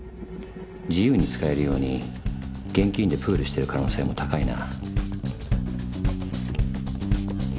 自由に使えるように現金でプールしてる可能性も高いな。